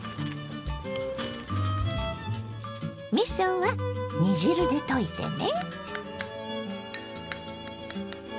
みそは煮汁で溶いてね。